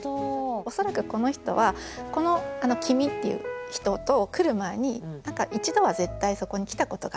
恐らくこの人はこの「君」っていう人と来る前に一度は絶対そこに来たことがある。